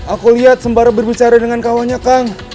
aku lihat sembara berbicara dengan kawannya kang